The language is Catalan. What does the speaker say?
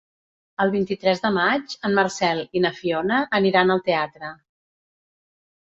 El vint-i-tres de maig en Marcel i na Fiona aniran al teatre.